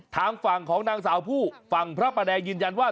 ทางฝั่งของนางสาวผู้ฝั่งพระประแดงยืนยันว่า